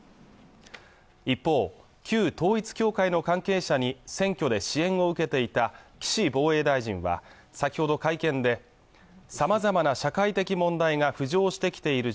一方旧統一教会の関係者に選挙で支援を受けていた岸防衛大臣は先ほど会見でさまざまな社会的問題が浮上してきている